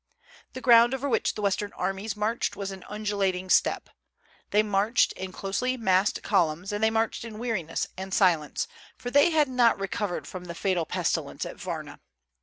The ground over which the Western armies marched was an undulating steppe. They marched in closely massed columns, and they marched in weariness and silence, for they had not recovered from the fatal pestilence at Varna.